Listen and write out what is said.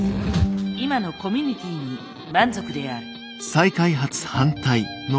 今のコミュニティーに満足である。